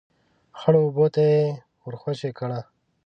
، خړو اوبو ته يې ور خوشی کړه.